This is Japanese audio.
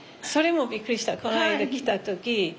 それもびっくりしたこの間来た時。